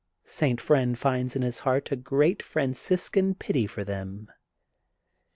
St. Friend finds in his heart a great Franciscan pity for them.